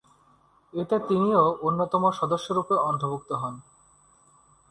এতে তিনিও অন্যতম সদস্যরূপে অন্তর্ভুক্ত হন।